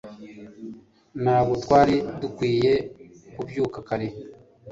Ntabwo twari dukwiye kubyuka kare